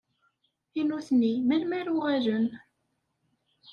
I nutni, melmi ara uɣalen?